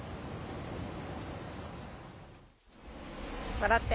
笑って。